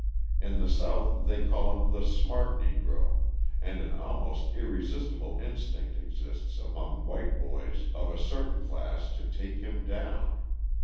In the South they call him the "smart Negro," and an almost irresistible instinct exists among white boys of a certain class to take him down.